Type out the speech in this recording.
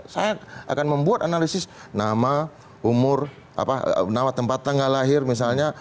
saya akan membuat analisis nama umur tempat tanggal lahir misalnya